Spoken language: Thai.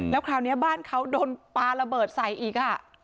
แล้วคราวนี้บ้านเขาโดนปลาระเบิดใส่อีก